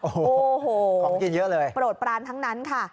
โอ้โหของกินเยอะเลยโปรดปรานทั้งนั้นค่ะ